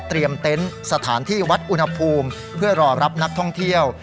เต็นต์สถานที่วัดอุณหภูมิเพื่อรอรับนักท่องเที่ยว